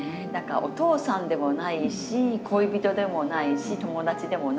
お父さんでもないし恋人でもないし友達でもないしみたいな。